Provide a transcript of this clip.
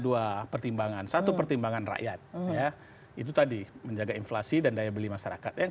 dua pertimbangan satu pertimbangan rakyat ya itu tadi menjaga inflasi dan daya beli masyarakat yang